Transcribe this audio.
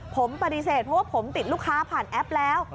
ผมปฏิเสธเพราะว่าผมติดลูกค้าผ่านแอปแล้ว